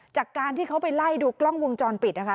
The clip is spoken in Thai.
จากการที่เขาไปไล่ดูกล้องวงจรปิดนะคะ